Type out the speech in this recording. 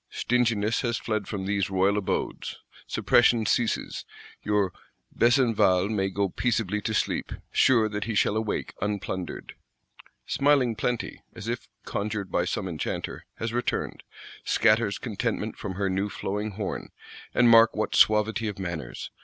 Stinginess has fled from these royal abodes: suppression ceases; your Besenval may go peaceably to sleep, sure that he shall awake unplundered. Smiling Plenty, as if conjured by some enchanter, has returned; scatters contentment from her new flowing horn. And mark what suavity of manners!